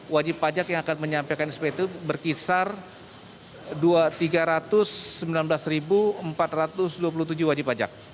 wajib pajak yang akan menyampaikan spt itu berkisar tiga ratus sembilan belas empat ratus dua puluh tujuh wajib pajak